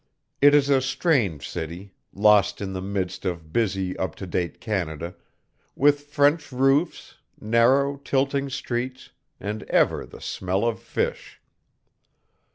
It is a strange city, lost in the midst of busy up to date Canada, with French roofs, narrow tilting streets, and ever the smell of fish.